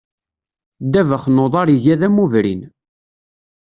Ddabex n uḍar iga d amubrin.